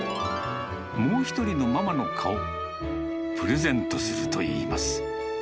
もう一人のママの顔、プレゼントするといいます。